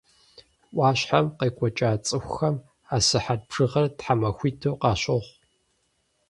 Ӏуащхьэм къекӀуэкӀа цӀыхухэм а сыхьэт бжыгъэр тхьэмахуитӀу къащохъу.